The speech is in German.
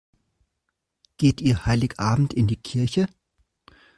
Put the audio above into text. Geht ihr Heiligabend in die Kirche?